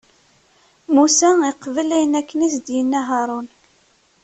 Musa, iqbel ayen akken i s-d-inna Haṛun.